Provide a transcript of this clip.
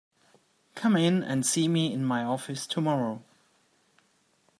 Come in and see me in my office tomorrow.